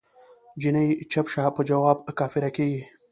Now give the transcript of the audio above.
جینی چپ شه په جواب کافره کیږی